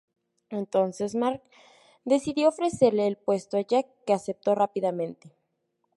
Entonces, Mark decidió ofrecerle el puesto a Jack que aceptó rápidamente.